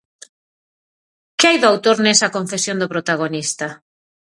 Que hai do autor nesa confesión do protagonista?